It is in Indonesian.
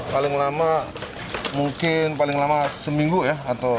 paling lama mungkin paling lama seminggu ya